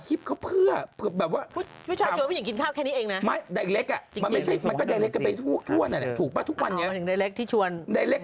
ที่เมื่อกี้ฟังให้เฉยอย่างไรเหรอเธอผ้าเฉย